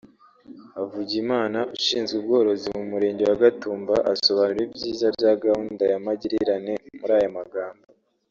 Havugimana ushinzwe ubworozi mu murenge wa Gatumba asobanura ibyiza bya gahunda ya Magirirane muri aya magambo